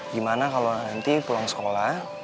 gimana kalau nanti pulang sekolah